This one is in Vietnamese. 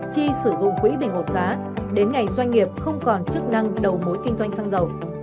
chi sử dụng quỹ bình ổn giá đến ngày doanh nghiệp không còn chức năng đầu mối kinh doanh xăng dầu